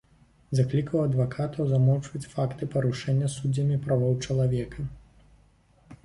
Заклікаў адвакатаў замоўчваць факты парушэнняў суддзямі правоў чалавека.